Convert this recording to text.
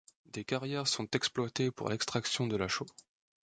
Des carrières sont exploitées pour l'extraction de la chaux.